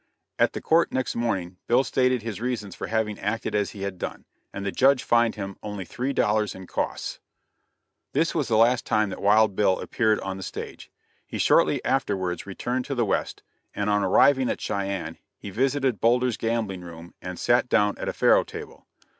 At the court next morning Bill stated his reasons for having acted as he had done, and the judge fined him only three dollars and costs. This was the last time that Wild Bill appeared on the stage. He shortly afterwards returned to the West, and on arriving at Cheyenne, he visited Boulder's gambling room and sat down at a faro table.